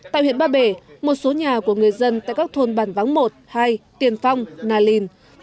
tại huyện ba bể một số nhà của người dân tại các thôn bản vắng một hai tiền phong nà linh